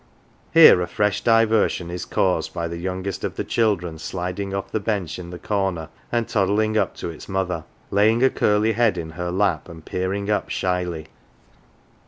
Here a fresh diversion is caused by the youngest of the children sliding off' the bench in the corner and toddling up to its mother, laying a curly head in her lap, and peering up shyly.